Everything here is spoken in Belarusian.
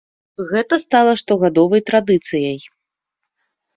Гэта стала штогадовай традыцыяй.